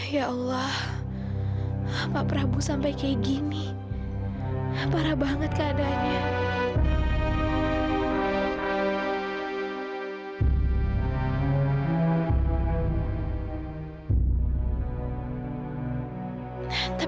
saat nyelamatin teman teman itu